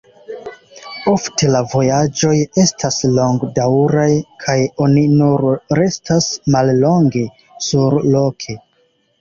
Ofte la vojaĝoj estas longdaŭraj kaj oni nur restas mallonge surloke.